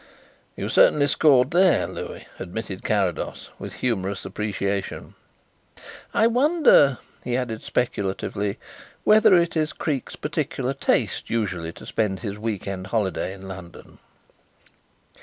"You certainly scored there, Louis," admitted Carrados, with humorous appreciation. "I wonder," he added speculatively, "whether it is Creake's peculiar taste usually to spend his week end holiday in London."